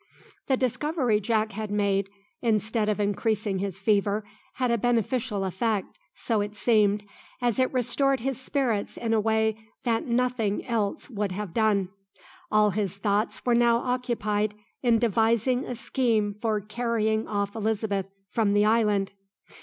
The discovery Jack had made, instead of increasing his fever, had a beneficial effect, so it seemed, as it restored his spirits in a way that nothing else would have done. All his thoughts were now occupied in devising a scheme for carrying off Elizabeth from the island.